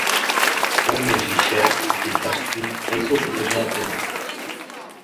Pojmy říše a císařství nejsou totožné pojmy.